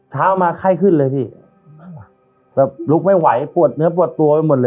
เช้ามาไข้ขึ้นเลยพี่แบบลุกไม่ไหวปวดเนื้อปวดตัวไปหมดเลย